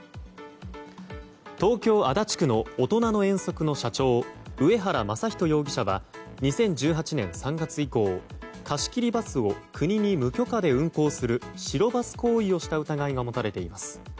東京・足立区のおとなの遠足の社長・上原昌仁容疑者は２０１８年３月以降貸し切りバスを国に無許可で運行する白バス行為をした疑いが持たれています。